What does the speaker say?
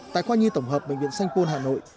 tại khoa nhi tổng hợp bệnh viện sanh pôn hà nội